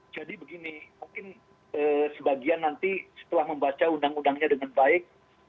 jadi begini mungkin sebagian nanti setelah membaca undang undangnya dengan baik